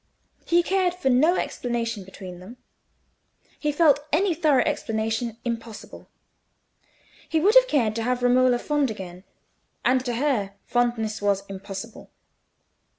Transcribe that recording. He cared for no explanation between them; he felt any thorough explanation impossible: he would have cared to have Romola fond again, and to her, fondness was impossible.